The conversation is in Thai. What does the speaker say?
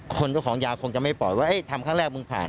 เจ้าของยาคงจะไม่ปล่อยว่าทำครั้งแรกมึงผ่าน